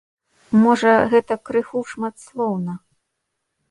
Можа, гэта крыху шматслоўна.